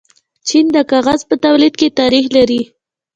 چین د کاغذ په تولید کې تاریخ لري.